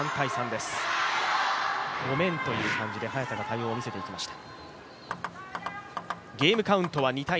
ごめんという感じで早田が対応を見せていきました。